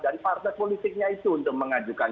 dan partai politiknya itu untuk mengajukan